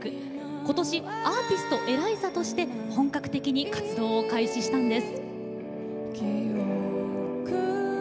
ことし、アーティストＥＬＡＩＺＡとして本格的に活動を開始したんです。